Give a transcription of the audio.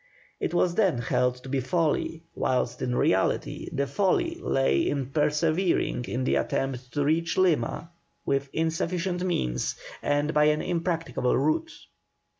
It was then held to be folly, whilst in reality the folly lay in persevering in the attempt to reach Lima with insufficient means and by an impracticable route.